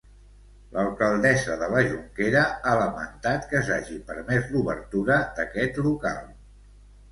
L'alcaldessa de la Jonquera ha lamentat que s'hagi permès l'obertura d'aquest local.